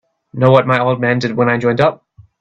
Know what my old man did when I joined up?